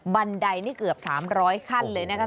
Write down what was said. บันไดนี่เกือบ๓๐๐ขั้นเลยนะคะ